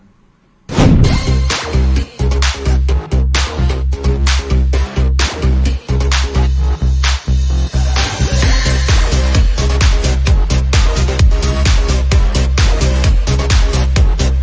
๖ตืดออกเมาซีรฟ